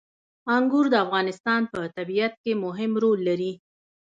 انګور د افغانستان په طبیعت کې مهم رول لري.